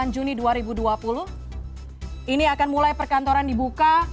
delapan juni dua ribu dua puluh ini akan mulai perkantoran dibuka